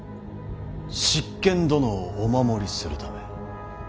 執権殿をお守りするため。